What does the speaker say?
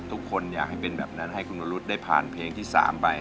ทุกคนอยากให้เป็นแบบนั้นให้คุณวรุษได้ผ่านเพลงที่๓ไป